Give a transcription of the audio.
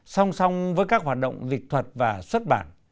song song với các hoạt động dịch thuật và xuất bản